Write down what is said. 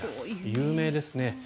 有名ですね。